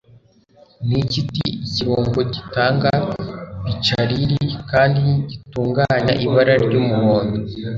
Niki T Ikirungo gitanga Piccalilli kandi gitunganya ibara ryumuhondo?